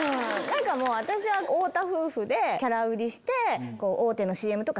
私は太田夫婦でキャラ売りして。